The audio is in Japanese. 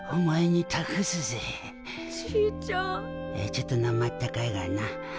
ちょっとなまあったかいがな。